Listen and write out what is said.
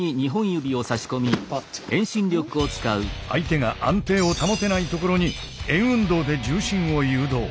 相手が安定を保てないところに円運動で重心を誘導。